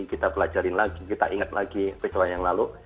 kita belajarin lagi kita ingat lagi percobaan yang lalu